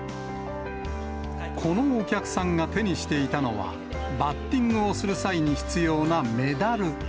このお客さんが手にしていたのは、バッティングをする際に必要なメダル。